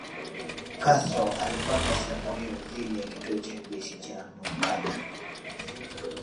Castro alipanga shambulio dhidi ya kituo cha kijeshi cha Moncada